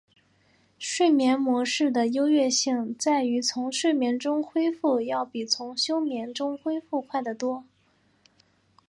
睡眠模式的优越性在于从睡眠中恢复要比从休眠中恢复快得多。